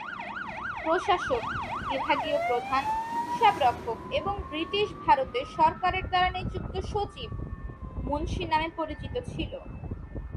প্রশাসক, বিভাগীয় প্রধান, হিসাবরক্ষক, এবং ব্রিটিশ ভারতে সরকারের দ্বারা নিযুক্ত সচিব, মুন্সি নামে পরিচিত ছিল।